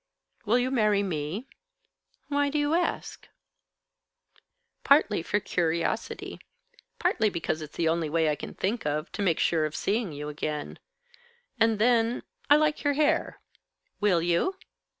"Will you marry me?" "Why do you ask?" "Partly for curiosity. Partly because it's the only way I can think of, to make sure of seeing you again. And then, I like your hair. Will you?"